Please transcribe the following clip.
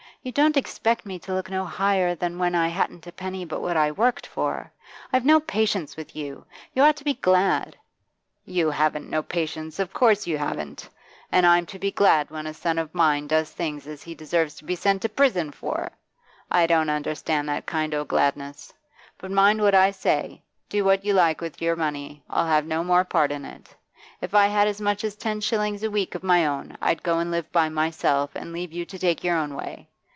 You don't expect me to look no higher than when I hadn't a penny but what I worked for? I've no patience with you. You ought to be glad ' 'You haven't no patience, of course you haven't. And I'm to be glad when a son of mine does things as he deserves to be sent to prison for! I don't understand that kind o' gladness. But mind what I say; do what you like with your money, I'll have no more part in it. If I had as much as ten shillings a week of my own, I'd go and live by myself, and leave you to take your own way.